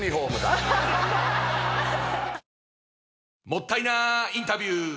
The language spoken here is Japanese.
もったいなインタビュー！